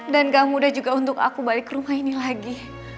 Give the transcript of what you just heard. dan gak mudah juga untuk aku balik rumah ini lagi